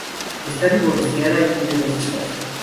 Está divorciada y tiene dos hijas.